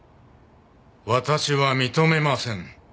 私は認めません。